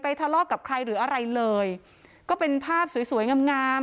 ทะเลาะกับใครหรืออะไรเลยก็เป็นภาพสวยสวยงามงาม